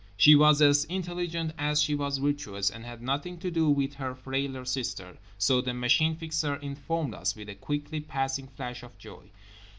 She was as intelligent as she was virtuous and had nothing to do with her frailer sisters, so the Machine Fixer informed us with a quickly passing flash of joy.